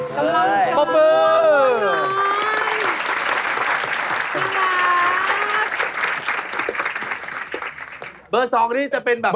กินเข้าไปแล้ว